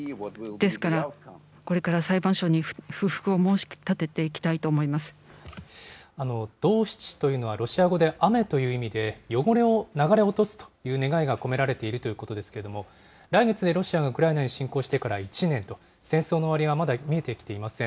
ですから、これから裁判所に不服ドーシチというのは、ロシア語で雨という意味で、汚れを流れ落とすという願いが込められているということですけれども、来月でロシアがウクライナに侵攻してから１年と、戦争の終わりはまだ見えてきていません。